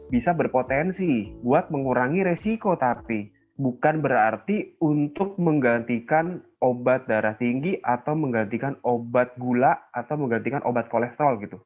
bisa berpotensi buat mengurangi resiko tapi bukan berarti untuk menggantikan obat darah tinggi atau menggantikan obat gula atau menggantikan obat kolesterol gitu